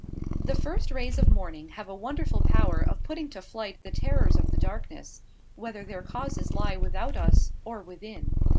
The first rays of morning have a wonderful power of putting to flight the terrors of the darkness, whether their causes lie without us or within.